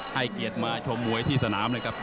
ให้เกียรติมาชมมวยที่สนามเลยครับ